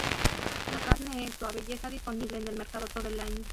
La carne es suave y está disponible en el mercado todo el año.